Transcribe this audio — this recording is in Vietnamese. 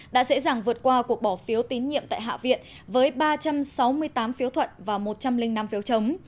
đã dễ dàng vượt qua cuộc bỏ phiếu tín nhiệm tại hạ viện với ba trăm sáu mươi tám phiếu thuận và một trăm linh năm phiếu chống